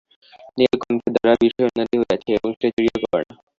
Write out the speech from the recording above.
নীলকণ্ঠের দ্বারা বিষয়ের উন্নতি হইয়াছে, এবং সে চুরিও করে না।